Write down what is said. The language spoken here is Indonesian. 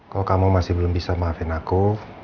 kalau kamu masih belum bisa maafin aku